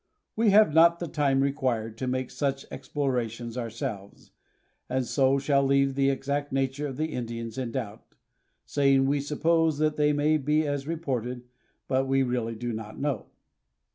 We have not the time required to make such explorations ourselves, and so shall leave the exact nature of the Indians in doubt, say ing we suppose that they may be as reported, but we really do not know.